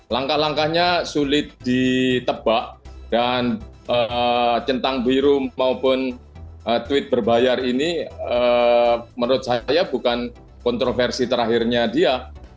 langkah langkahnya sulit ditebak dan centang biru maupun tweet berbayar ini menurut saya bukan kontroversi terakhirnya dia